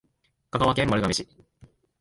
香川県丸亀市